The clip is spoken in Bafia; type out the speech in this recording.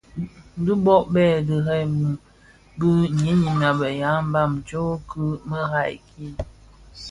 Dhi bo Bè dhemremi bi ňyinim a be ya mbam tsom ki merad ki.